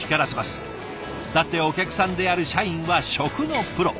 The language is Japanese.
だってお客さんである社員は食のプロ。